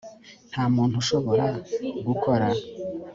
nta muntu ushobora gukora